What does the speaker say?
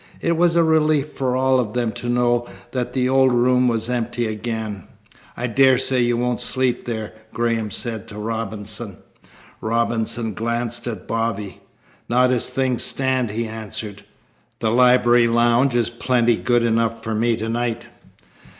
It was a relief for all of them to know that the old room was empty again. "I daresay you won't sleep there," Graham said to Robinson. Robinson glanced at Bobby. "Not as things stand," he answered. "The library lounge is plenty good enough for me tonight."